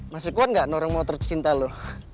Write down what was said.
masih kuat gak dorong motor cinta lo